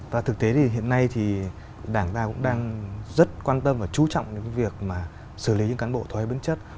và thực tế thì hiện nay thì đảng ta cũng đang rất quan tâm và chú trọng đến cái việc mà xử lý những cán bộ thoái chất